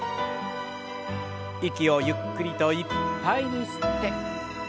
息をゆっくりといっぱいに吸って。